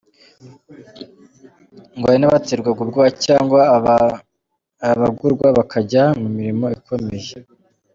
Ngo hari n’abaterwa ubwoba cyangwa abagurwa bakajya mu mirimo ikomeye